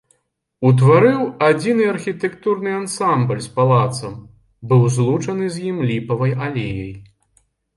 Утвараў адзіны архітэктурны ансамбль з палацам, быў злучаны з ім ліпавай алеяй.